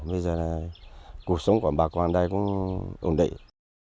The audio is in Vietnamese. bây giờ là cuộc sống của bà con ở đây cũng ổn định